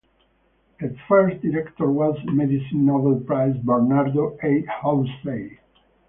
Its first director was Medicine Nobel Prize Bernardo A. Houssay.